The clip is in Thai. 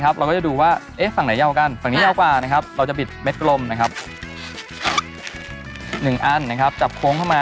คิดว่าเขาจะเป็นกระตานอะไรอย่างไร